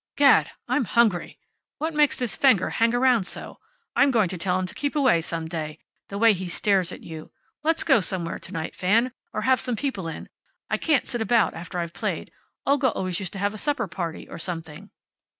"Gad! I'm hungry. What makes this Fenger hang around so? I'm going to tell him to keep away, some day. The way he stares at you. Let's go somewhere to night, Fan. Or have some people in. I can't sit about after I've played. Olga always used to have a supper party, or something."